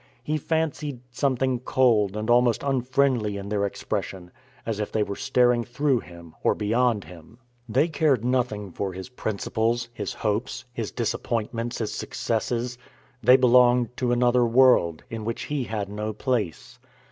He fancied something cold and almost unfriendly in their expression, as if they were staring through him or beyond him. They cared nothing for his principles, his hopes, his disappointments, his successes; they belonged to another world, in which he had no place.